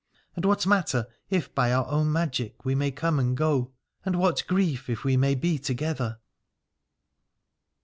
And what matter, if by our own magic we may come and go ? and what grief, if we may be together